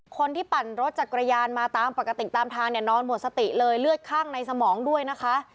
ปั่นรถจักรยานมาตามปกติตามทางเนี่ยนอนหมดสติเลยเลือดข้างในสมองด้วยนะคะ